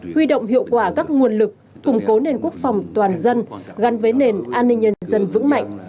huy động hiệu quả các nguồn lực củng cố nền quốc phòng toàn dân gắn với nền an ninh nhân dân vững mạnh